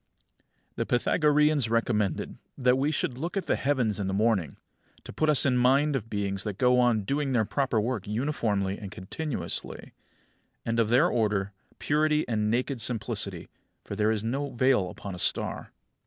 27. The Pythagoreans recommended that we should look at the heavens in the morning, to put us in mind of beings that go on doing their proper work uniformly and continuously; and of their order, purity and naked simplicity; for there is no veil upon a star.